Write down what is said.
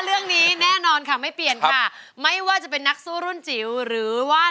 เรื่องนี้แน่นอนค่ะไม่เปลี่ยนค่ะไม่ว่าจะเป็นนักสู้รุ่นจิ๋วหรือว่า